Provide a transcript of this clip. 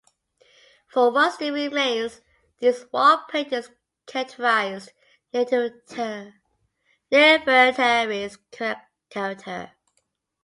For what still remains, these wall paintings characterized Nefertari's character.